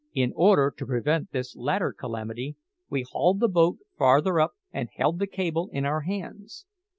In order to prevent this latter calamity, we hauled the boat farther up and held the cable in our hands.